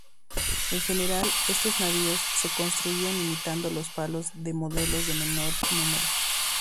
En general, estos navíos se construían imitando los palos de modelos de menor número.